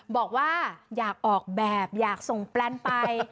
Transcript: บอกว่าอยากออกแบบอยากส่งแปลนไป